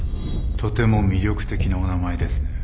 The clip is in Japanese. とても魅力的なお名前ですね